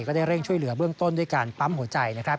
ได้เร่งช่วยเหลือเบื้องต้นด้วยการปั๊มหัวใจนะครับ